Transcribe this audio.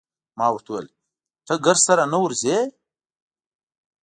ما ورته وویل: ته ګرد سره نه ورځې؟